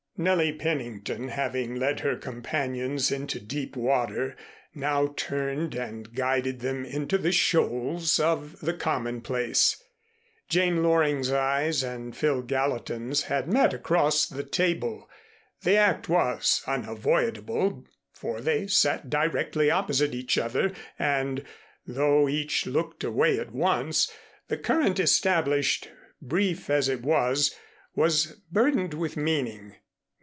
Nellie Pennington, having led her companions into deep water, now turned and guided them into the shoals of the commonplace. Jane Loring's eyes and Phil Gallatin's had met across the table. The act was unavoidable for they sat directly opposite each other and, though each looked away at once, the current established, brief as it was, was burdened with meaning.